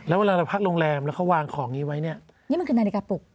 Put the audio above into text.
แล้วเวลาเราพักโรงแรมแล้วเขาวางของนี้ไว้เนี่ยนี่มันคือนาฬิกาปลุก